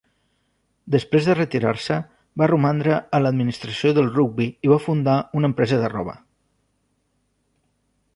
Després de retirar-se, va romandre en l'administració del rugbi i va fundar una empresa de roba.